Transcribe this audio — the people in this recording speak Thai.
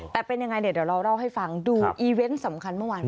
แต่เป็นยังไงเดี๋ยวเราเล่าให้ฟังดูอีเวนต์สำคัญเมื่อวาน